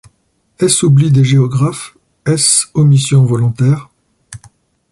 Est-ce oubli des géographes, est-ce omission volontaire ?